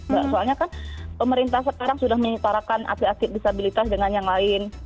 mbak soalnya kan pemerintah sekarang sudah menyetarakan atlet atlet disabilitas dengan yang lain